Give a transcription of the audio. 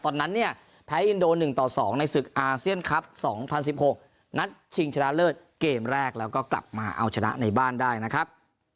ตอนนั้นเนี่ยแพ้อินโด๑ต่อ๒ในศึกอาเซียนคลับ๒๐๑๖นัดชิงชนะเลิศเกมแรกแล้วก็กลับมาเอาชนะในบ้านได้นะครับ